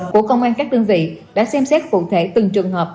của công an các đơn vị đã xem xét cụ thể từng trường hợp